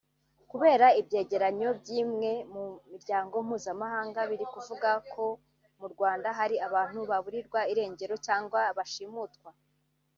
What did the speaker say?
Kubera ibyegeranyo by’imwe mu miryango mpuzamahanga biri kuvuga ko mu Rwanda hari abantu baburirwa irengero cyangwa bashimutwa